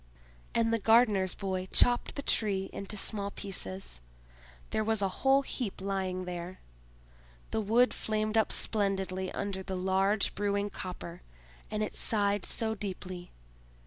And the gardener's boy chopped the Tree into small pieces; there was a whole heap lying there. The wood flamed up splendidly under the large brewing copper, and it sighed so deeply!